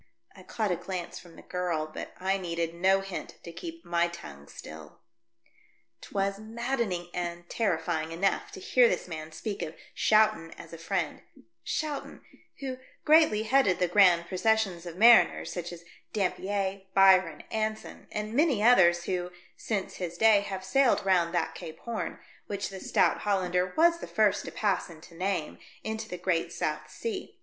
I caught a glance from the girl, but I needed no hint to keep my tongue still. 'Twas maddening and terrifying enough to hear this man speak of Schouten as a friend — Schouten, who greatly headed the grand procession of mariners such as Dampier, Byron, Anson, and many others who, since his day, have sailed round that Cape Horn — which the stout Hollander was the first to pass and to name — into the great South Sea.